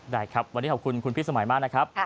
ได้ครับวันนี้ขอบคุณคุณพี่สมัยมากนะครับ